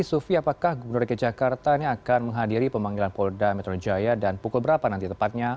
sufi apakah gubernur dki jakarta ini akan menghadiri pemanggilan polda metro jaya dan pukul berapa nanti tepatnya